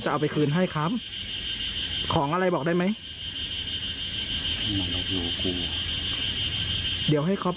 จะให้เค้าทํอะไรบ้างครับ